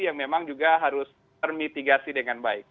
yang memang juga harus termitigasi dengan baik